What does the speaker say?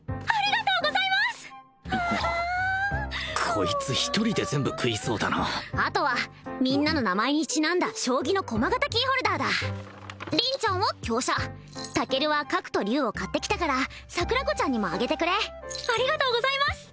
こいつ１人で全部食いそうだなあとはみんなの名前にちなんだ将棋の駒形キーホルダーだ凛ちゃんは香車タケルは角と竜を買ってきたから桜子ちゃんにもあげてくれありがとうございます